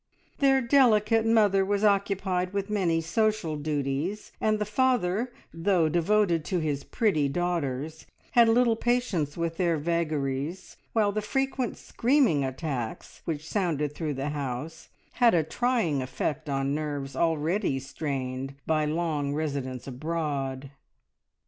Their delicate mother was occupied with many social duties, and the father, though devoted to his pretty daughters, had little patience with their vagaries, while the frequent screaming attacks which sounded through the house had a trying effect on nerves already strained by long residence abroad.